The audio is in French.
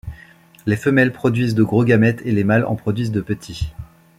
Les femelles produisent de gros gamètes et les mâles en produisent de petits.